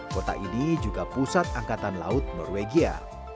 kota ini juga pusat angkatan laut norwegia